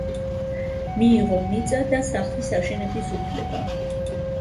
მიიღო მიწა და სახლის აშენების უფლება.